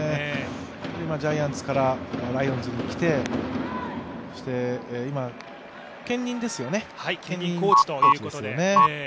ジャイアンツからライオンズに来て、今、兼任コーチですよね。